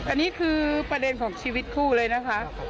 อันนี้คือประเด็นของชีวิตคู่เลยนะคะ